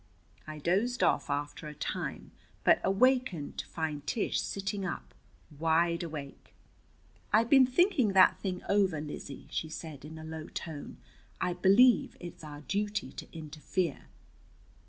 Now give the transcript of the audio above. I dozed off after a time, but awakened to find Tish sitting up, wide awake. "I've been thinking that thing over, Lizzie," she said in a low tone. "I believe it's our duty to interfere."